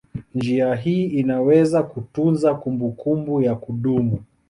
Njia hii inaweza kutunza kumbukumbu ya kudumu.